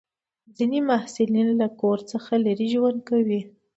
ځینې محصلین له کور څخه لرې ژوند کوي.